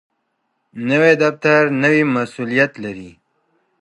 نوی دفتر نوی مسؤولیت لري